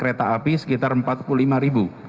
kereta api sekitar empat puluh lima ribu